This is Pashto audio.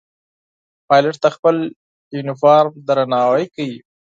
پیلوټ د خپل یونیفورم درناوی کوي.